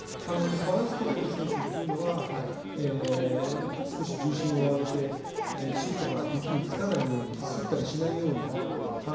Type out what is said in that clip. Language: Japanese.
バランスを取れる選手というのは少し重心を上げてシートが雪につかないようにすったりしないように。